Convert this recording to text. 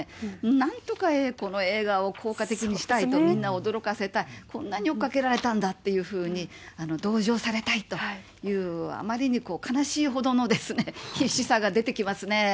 なんとかこの映画を効果的にしたいと、みんなを驚かせたい、こんなに追っかけられたんだっていうふうに、同情されたいという、あまりに悲しいほどのですね、必死さが出てきますね。